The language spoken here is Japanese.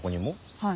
はい。